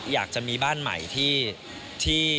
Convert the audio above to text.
อยากจะมีบ้านใหม่ที่